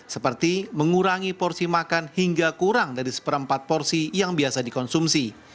seperti mengurangi porsi makan hingga kurang dari seperempat porsi yang biasa dikonsumsi